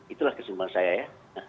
itulah keseimbangan saya ya